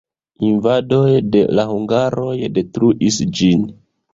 Invadoj de la hungaroj detruis ĝin.